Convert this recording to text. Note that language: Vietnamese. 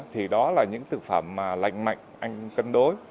thì đó là những thực phẩm lành mạnh anh cân đối